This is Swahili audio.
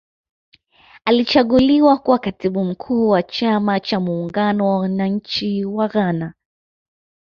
Alichaguliwa kuwa katibu mkuu wa chama cha muungano wa wananchi wa Ghana